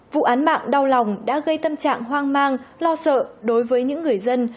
vụ án mạng đau lòng đã gây tâm trạng hoang mang lo sợ đối với những người dân